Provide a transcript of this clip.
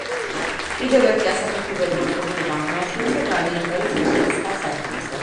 კიდევ ერთი ასაფეთქებელი მოწყობილობა აღმოაჩინეს და გაანეიტრალეს მეტროს სხვა სადგურზე.